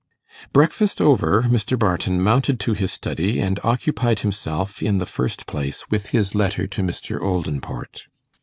Breakfast over, Mr. Barton mounted to his study, and occupied himself in the first place with his letter to Mr. Oldinport.